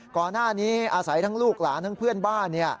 ก่อนหน้านี้อาศัยทั้งลูกหลานทั้งเพื่อนบ้าน